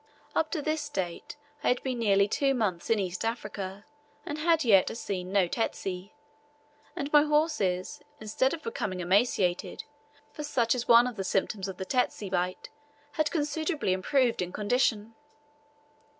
Up to this date I had been nearly two months in East Africa, and had as yet seen no tsetse; and my horses, instead of becoming emaciated for such is one of the symptoms of a tsetse bite had considerably improved in condition.